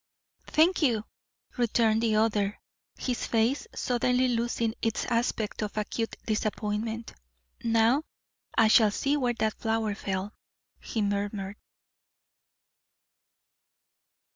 "Thank you," returned the other, his face suddenly losing its aspect of acute disappointment. "Now I shall see where that flower fell," he murmured.